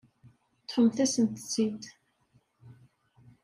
Ṭṭfemt-asent-t-id.